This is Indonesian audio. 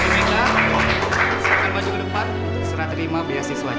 meka sekarang baju ke depan serah terima beasiswanya